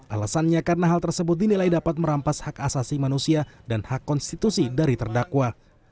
alasannya karena hal tersebut dinilai dapat merampas hak asasi manusia dan hak konstitusi dari terdakwa